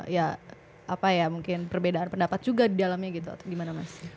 ya apa ya mungkin perbedaan pendapat juga di dalamnya gitu atau gimana mas